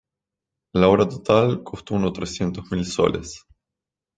La obra total costó unos trescientos mil soles.